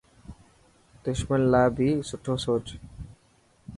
دشمن لاءِ بهي سٺو سوچ.